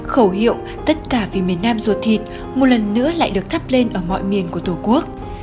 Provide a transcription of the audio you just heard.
khẩu hiệu tất cả vì miền nam ruột thịt một lần nữa lại được thắp lên ở mọi miền của tổ quốc